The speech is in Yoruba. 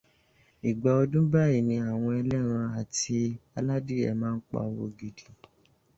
Ìgbà ọdún báyìí ni àwọn ẹlẹ́ran àti aládìyẹ máa ń pa owó gidi